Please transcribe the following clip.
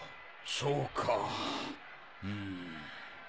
そうかうむ。